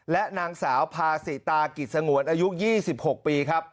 และนางสาวพาสิตากิจสงวนอายุ๒๖ปีครับ